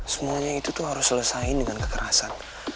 semuanya itu tuh harus selesaiin dengan kekerasan